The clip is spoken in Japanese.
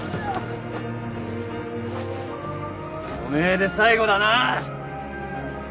おめえで最後だな。